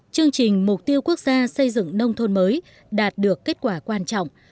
chương trình mục tiêu quốc gia xây dựng nông thôn mới đạt được kết quả quan trọng